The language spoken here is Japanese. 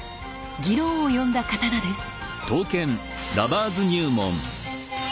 議論を呼んだ刀です。